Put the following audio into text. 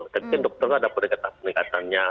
tapi dokter ada pendekatan peningkatannya